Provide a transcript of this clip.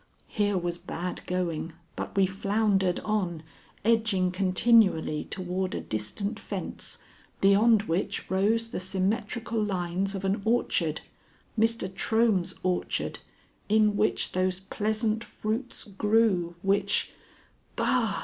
Here was bad going, but we floundered on, edging continually toward a distant fence beyond which rose the symmetrical lines of an orchard Mr. Trohm's orchard, in which those pleasant fruits grew which Bah!